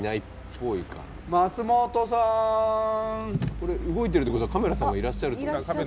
これ動いてるってことはカメラさんはいらっしゃるってこと。